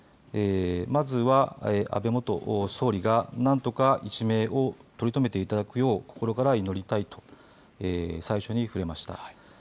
まずは、安倍元総理が何とか一命をとりとめていただくよう心から祈りたいと最初に触れました。